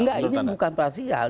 enggak ini bukan parsial